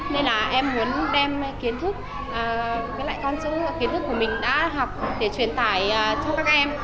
nên là em muốn đem kiến thức với lại con chữ kiến thức của mình đã học để truyền tải cho các em